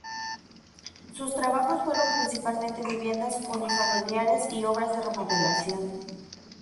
Sus trabajos fueron principalmente viviendas unifamiliares y obras de remodelación.